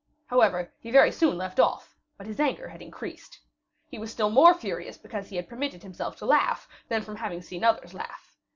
However, he very soon left off, but his anger had increased. He was still more furious because he had permitted himself to laugh, than from having seen others laugh.